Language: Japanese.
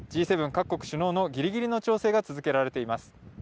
各国首脳のギリギリの調整が続けられています。